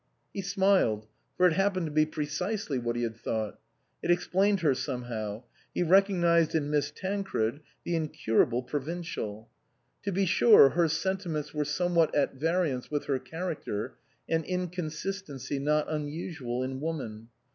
He smiled, for it happened to be precisely what he had thought. It explained her some how ; he recognised in Miss Tancred the incur able provincial. To be sure her sentiments were somewhat at variance with her character, an in consistency not unusual in woman.